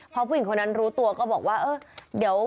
พอผู้หญิงคนนั้นรู้ตัวก็บอกว่าเออเดี๋ยว